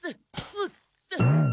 うっせ！